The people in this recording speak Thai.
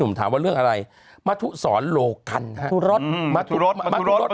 หนุ่มถามว่าเรื่องอะไรมาทุศอรโลกันกันนะฮะอืมมาทุรส